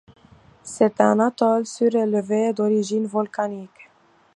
C'est un atoll surélevé d'origine volcanique.